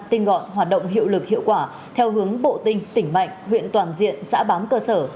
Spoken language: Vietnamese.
tinh gọn hoạt động hiệu lực hiệu quả theo hướng bộ tinh tỉnh mạnh huyện toàn diện xã bám cơ sở